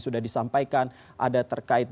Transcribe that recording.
sudah disampaikan ada terkait